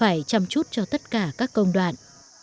hãy chăm chút cho tất cả các công đoạn